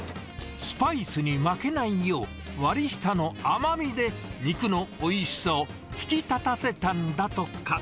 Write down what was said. スパイスに負けないよう、割り下の甘みで肉のおいしさを引き立たせたんだとか。